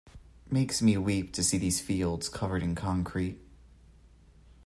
It makes me weep to see these fields covered in concrete.